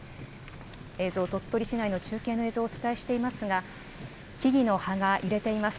映像、鳥取市内の中継の映像をお伝えしていますが、木々の葉が揺れています。